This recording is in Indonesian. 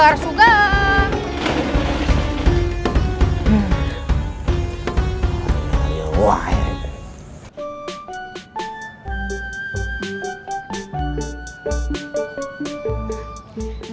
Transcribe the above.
rumah bersama ustadz